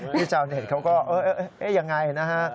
พี่ชาวเน็ตเขาก็อย่างไรนะฮะ